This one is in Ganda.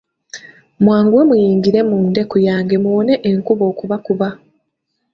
Mwanguwe muyingire mu ndeku yange muwone enkuba okubakuba.